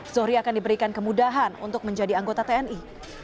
zohri akan diberikan kemudahan untuk menjadi anggota tni